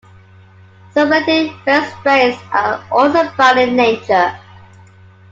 Some related fenestranes are also found in nature.